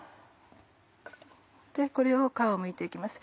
これを皮をむいて行きます。